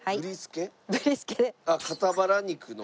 あっ肩ばら肉の？